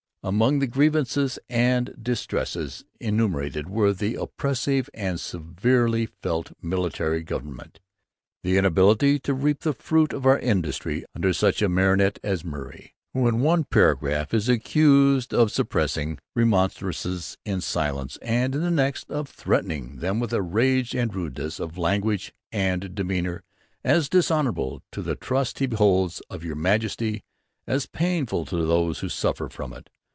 Among the 'Grievances and Distresses' enumerated were 'the oppressive and severely felt Military government,' the inability to 'reap the fruit of our Industry' under such a martinet as Murray, who, in one paragraph, is accused of 'suppressing dutyfull Remonstrances in Silence' and, in the next, of 'treating them with a Rage and Rudeness of Language and Demeanor as dishonourable to the Trust he holds of Your Majesty as painfull to Those who suffer from it.'